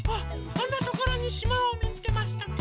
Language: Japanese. あんなところにしまをみつけました。